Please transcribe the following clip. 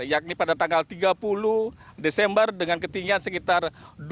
yakni pada tanggal tiga puluh desember dengan ketinggian sekitar dua ribu lima ratus